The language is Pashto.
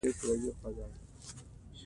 انګور د افغانستان طبعي ثروت دی.